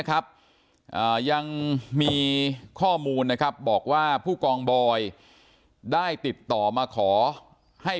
ครับยังมีข้อมูลนะครับบอกว่าผู้กองบอยได้ติดต่อมาขอให้